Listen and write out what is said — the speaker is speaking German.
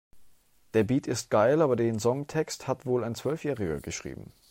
Der Beat ist geil, aber den Songtext hat wohl ein Zwölfjähriger geschrieben.